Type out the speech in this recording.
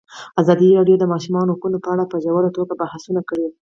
ازادي راډیو د د ماشومانو حقونه په اړه په ژوره توګه بحثونه کړي.